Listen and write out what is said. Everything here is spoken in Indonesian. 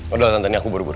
udah tante ini aku baru baru